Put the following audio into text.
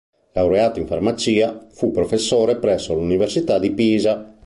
Laureato in Farmacia, fu professore presso l'Università di Pisa.